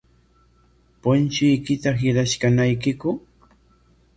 ¿Punchuykita hirashqañaku?